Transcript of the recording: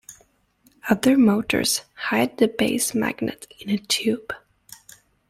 Other motors hide the base magnet in a tube.